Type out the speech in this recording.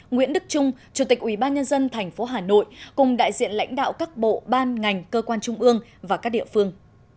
nguyễn đức trung chủ tịch ủy ban nhân dân tp hà nội cùng đại diện lãnh đạo các bộ ban ngành cơ quan trung ương và các địa phương